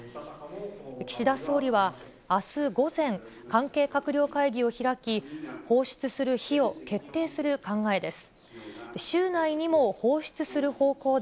岸田総理はあす午前、関係閣僚会議を開き、放出する日を決定する考えです。